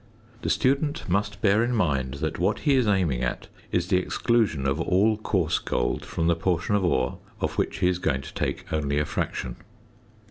The student must bear in mind that what he is aiming at is the exclusion of all coarse gold from the portion of ore of which he is going to take only a fraction.